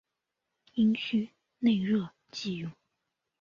阴虚内热忌用。